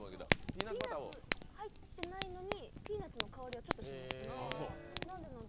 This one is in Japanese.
ピーナッツ入っていないのにピーナッツの香りがちょっとしますね。